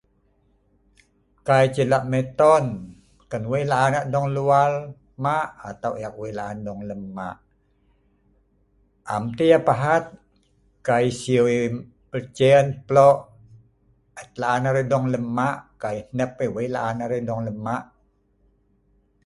Kai ceh lak miton, kan wei laan ek dong luar maak atau ek wei laan dong lem maak??Am tah yah pahat, kai siu pelcen, plooq et laan arai dong lem maak, kai hnep wei laan arai dong lem maak.